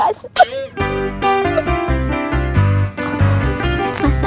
anak kita udah mulai senyum mas